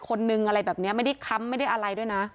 ต่อได้อีกคนนึงอะไรแบบนี้ไม่ได้คำไม่ได้อะไรด้วยนะ